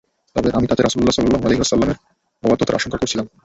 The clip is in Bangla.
তবে আমি তাতে রাসূলুল্লাহ সাল্লাল্লাহু আলাইহি ওয়াসাল্লামের অবাধ্যতার আশঙ্কা করছিলাম।